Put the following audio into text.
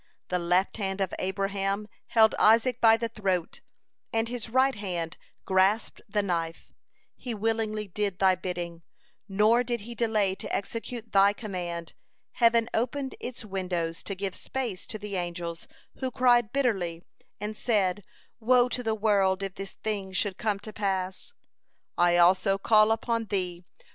The left hand of Abraham held Isaac by the throat, and his right hand grasped the knife. He willingly did Thy bidding, nor did he delay to execute Thy command. Heaven opened its windows to give space to the angels, who cried bitterly, and said: 'Woe to the world, if this thing should come to pass!' I also call upon Thee!